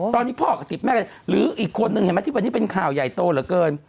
ตอนนี้พ่อกับสิบแม่หรืออีกคนนึงเห็นไหมที่วันนี้เป็นข่าวใหญ่โตเหลือเกิน